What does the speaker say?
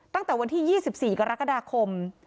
ตั้งแต่วันที่๒๔กรกฎาคม